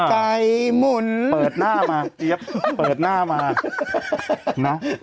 ใจหมุนเปิดหน้ามาเจี๊ยบเปิดหน้ามานะ